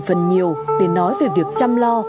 phần nhiều để nói về việc chăm lo